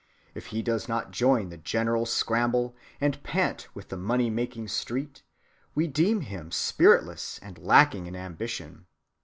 If he does not join the general scramble and pant with the money‐making street, we deem him spiritless and lacking in ambition.